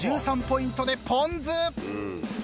１３ポイントでぽん酢。